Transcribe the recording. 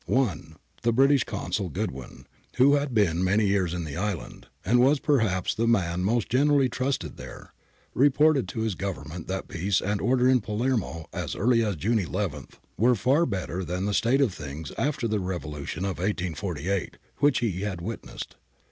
I. The British Consul, Goodwin, who had been many years in the island and was perhaps the man most generally trusted tiiere, reported to his Government that peace and order in Palermo as early as June 11 were far better than the state of things after the revolution of 1 848, which he had witnessed.